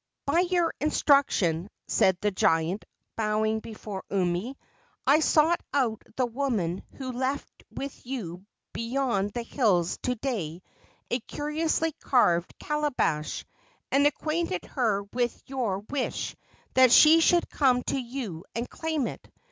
"By your instruction," said the giant, bowing before Umi, "I sought out the woman who left with you beyond the hills to day a curiously carved calabash, and acquainted her with your wish that she should come to you and claim it.